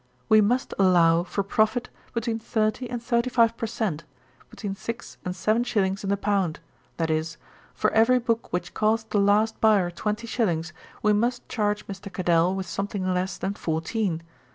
We must allow, for profit, between thirty and thirty five per cent., between six and seven shillings in the pound; that is, for every book which costs the last buyer twenty shillings, we must charge Mr. Cadell with something less than fourteen.